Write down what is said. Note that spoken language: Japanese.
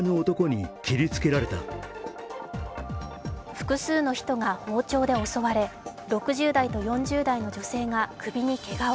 複数の人が包丁で襲われ６０代と４０代の女性が首にけがを。